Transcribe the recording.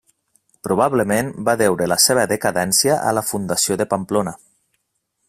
Probablement va deure la seva decadència a la fundació de Pamplona.